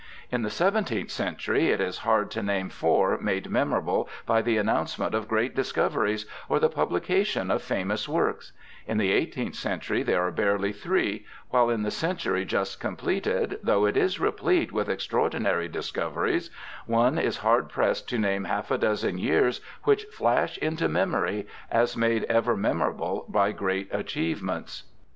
In the seventeenth century it is hard to name four made memorable by the announcement of great discoveries or the pubHcation of famous works ; in the eighteenth century there are barely three ; while in the century just completed, though it is replete with extraordinary discoveries, one is hard pressed to name half a dozen years which flash into memory as made ever memorable by great achievements.